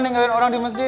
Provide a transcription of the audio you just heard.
nenggerain orang di masjid